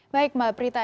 baik mbak prita